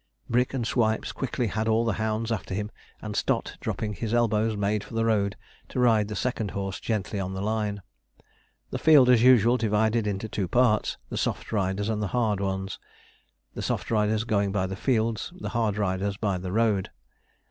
Brick and Swipes quickly had all the hounds after him, and Stot, dropping his elbows, made for the road, to ride the second horse gently on the line. The field, as usual, divided into two parts, the soft riders and the hard ones the soft riders going by the fields, the hard riders by the road.